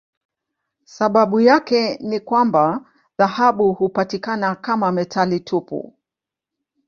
Sababu yake ni kwamba dhahabu hupatikana kama metali tupu.